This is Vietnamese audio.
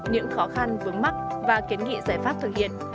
những khó khăn vướng mắt và kiến nghị giải pháp thực hiện